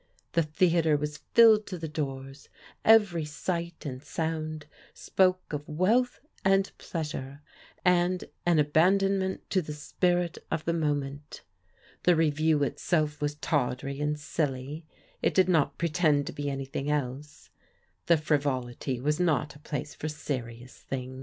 The theatre was filled to the doors; every sight and sound spoke of wealth and pleasure, and an abandonment to the spirit of the moment. The Revue itself was tawdry and silly — ^it did not pretend to be anything else. The Frivolity was not a place for sei\o\X"& VSclvt^.